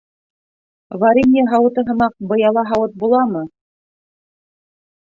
Варение һауыты һымаҡ, быяла һауыт буламы?